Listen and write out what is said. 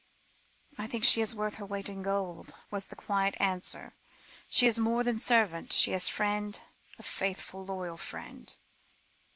"I think she is worth her weight in gold," was the quiet answer; "she is more than servant; she is a friend a faithful, loyal friend."